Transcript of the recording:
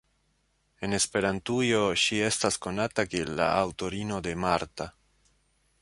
En Esperantujo ŝi estas konata kiel la aŭtorino de "Marta.